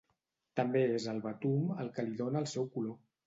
També és el betum el que li dóna el seu color.